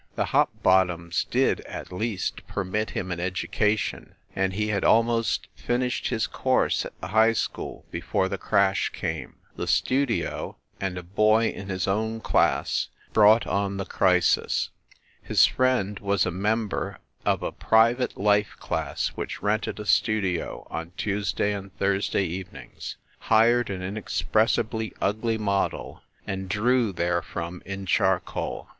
The Hopbottoms did, at least, permit him an edu cation ; and he had almost finished his course at the high school, before the crash came. The "Studio" and a boy in his own class brought on the crisis. His friend was a member of a private life class which rented a studio on Tuesday and Thursday evenings, hired an inexpressibly ugly model and drew therefrom in charcoal.